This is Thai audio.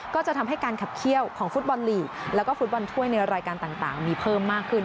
ก็จะทำให้การขับเขี้ยวของฟุตบอลลีกแล้วก็ฟุตบอลถ้วยในรายการต่างมีเพิ่มมากขึ้น